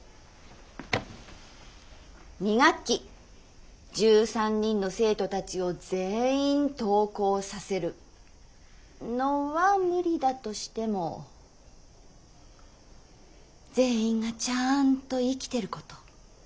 ２学期１３人の生徒たちを全員登校させるのは無理だとしても全員がちゃんと生きてること。